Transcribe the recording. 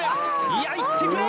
いやいってくれ！